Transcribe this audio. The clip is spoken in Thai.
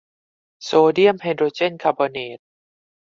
โซเดียมไฮโดรเจนคาร์บอเนต